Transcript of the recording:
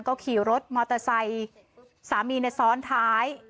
ก็ขี่รถมอเตอร์ไซค์สามีซ้อนท้าย